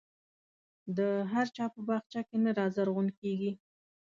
د هر چا په باغچه کې نه رازرغون کېږي.